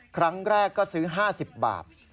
ครั้งแรกก็ซื้อ๕๐บาท